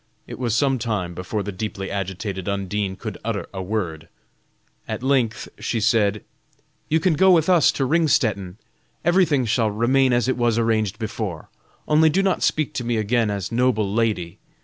It was some time before the deeply agitated Undine could utter a word; at length she said: "You can go with us to Ringstetten; everything shall remain as it was arranged before; only do not speak to me again as 'noble lady.'